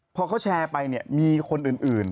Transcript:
พอเขาแชร์ไปเนี่ยมีคนอื่น